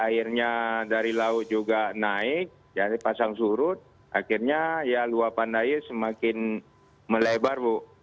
airnya dari laut juga naik jadi pasang surut akhirnya ya luapan air semakin melebar bu